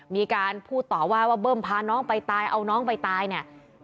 มีการพูดต่อว่าว่าเบิ้มพาน้องไปตายเอาน้องไปตายเนี่ย